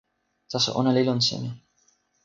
taso, ona li lon seme?